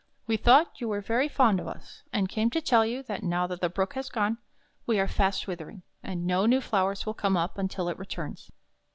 We thought you were very fond of us, and came to tell you that, now that the Brook has gone, we are fast withering; and no new flowers will come up until it returns."